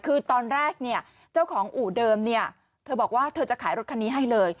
คือตอนแรกเนี่ยเจ้าของอู่เดิมเนี่ยเธอบอกว่าเธอจะขายรถคันนี้ให้เลย